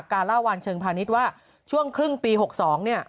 การล่าวันเชิงพาณิชย์ว่าช่วงครึ่งปี๖๒เนี่ย